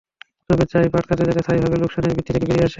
তবে চাই পাট খাত যাতে স্থায়ীভাবে লোকসানের বৃত্ত থেকে বেরিয়ে আসে।